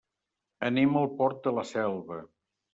Anem al Port de la Selva.